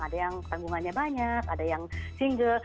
ada yang tanggungannya banyak ada yang single